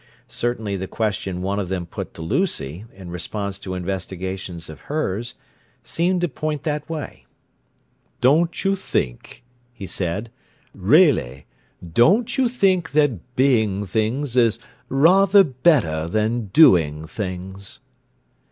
Certainly the question one of them put to Lucy, in response to investigations of hers, seemed to point that way: "Don't you think," he said, "really, don't you think that being things is rather better than doing things?"